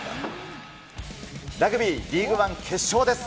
ラグビーリーグワン決勝です。